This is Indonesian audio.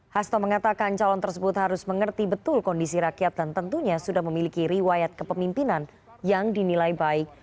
hasto mengatakan calon tersebut harus mengerti betul kondisi rakyat dan tentunya sudah memiliki riwayat kepemimpinan yang dinilai baik